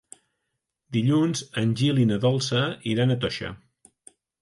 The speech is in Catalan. Dilluns en Gil i na Dolça iran a Toixa.